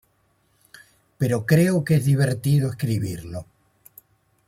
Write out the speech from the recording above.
Pero creo que es divertido escribirlo.